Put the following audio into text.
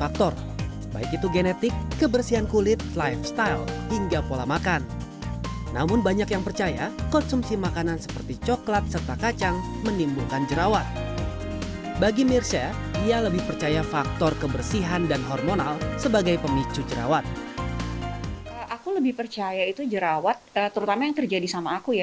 aku lebih percaya itu jerawat terutama yang terjadi sama aku ya